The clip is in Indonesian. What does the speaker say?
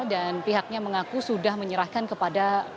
dan pihaknya mengaku sudah menyerahkan kepada yasona